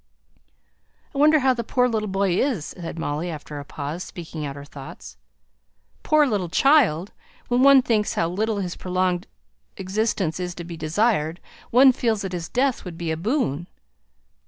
"I wonder how the poor little boy is?" said Molly, after a pause, speaking out her thought. "Poor little child! When one thinks how little his prolonged existence is to be desired, one feels that his death would be a boon."